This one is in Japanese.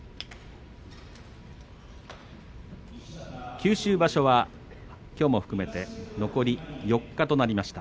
九州場所はきょうも含めて残り４日となりました。